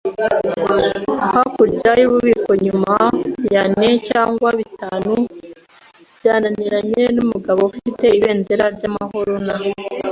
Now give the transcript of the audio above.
hakurya yububiko, nyuma yane cyangwa bitanu byananiranye, numugabo ufite ibendera ryamahoro, na